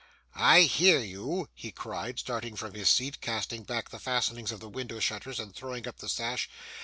'I hear you,' he cried, starting from his seat, casting back the fastenings of the window shutters, and throwing up the sash.